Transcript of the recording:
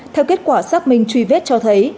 theo kết quả xác minh truy vết cho thấy